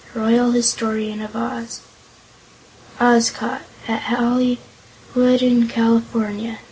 Royal Historian of Oz. "OZCOT" at HOLLYWOOD in CALIFORNIA 1918.